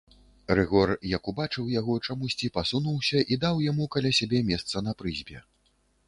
Рыгор, як убачыў яго, чамусьці пасунуўся і даў яму каля сябе месца на прызбе.